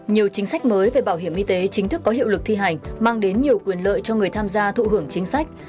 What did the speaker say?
nhiều chính sách mới về bảo hiểm y tế chính thức có hiệu lực thi hành mang đến nhiều quyền lợi cho người tham gia thụ hưởng chính sách